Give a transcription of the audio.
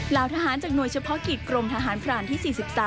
ทหารจากหน่วยเฉพาะกิจกรมทหารพรานที่๔๓